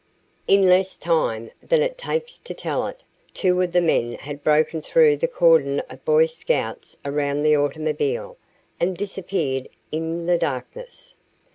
In less time than it takes to tell it, two of the men had broken through the cordon of Boy Scouts around the automobile and disappeared in the darkness.